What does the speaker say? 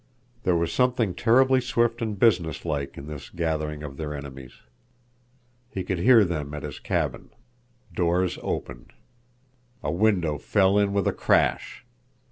There was something terribly swift and businesslike in this gathering of their enemies. He could hear them at his cabin. Doors opened. A window fell in with a crash.